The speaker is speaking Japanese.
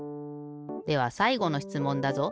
ではさいごのしつもんだぞ。